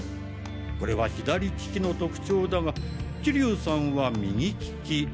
これは左利きの特徴だが桐生さんは右利き。